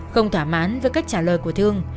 không thỏa mãn với cách trả lời của thương